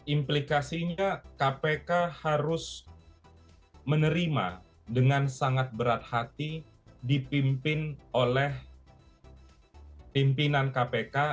implikasinya kpk harus menerima dengan sangat berat hati dipimpin oleh pimpinan kpk